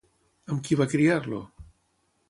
Amb qui va criar-lo?